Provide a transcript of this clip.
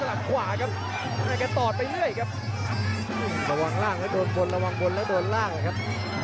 ระวังล่างระวังบนระวังบนแล้วโดนล่างครับ